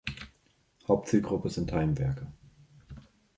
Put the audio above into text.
Hauptzielgruppe sind Heimwerker.